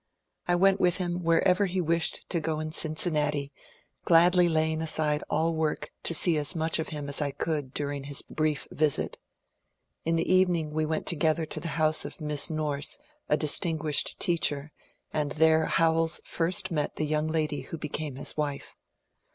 I went with him wherever he wished to go in Cincinnati, gladly laying aside all work to see as much of him as I could during his brief visit. In the evening we went together to the house of Miss Nourse, a distinguished teacher, and there Howells first met the young lady who became his wife.